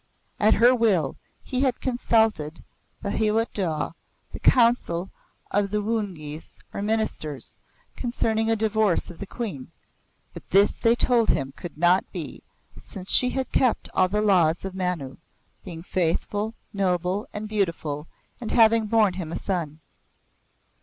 At her will he had consulted the Hiwot Daw, the Council of the Woon gyees or Ministers, concerning a divorce of the Queen, but this they told him could not be since she had kept all the laws of Manu, being faithful, noble and beautiful and having borne him a son.